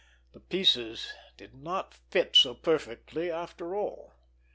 The pieces did not fit so perfectly after all.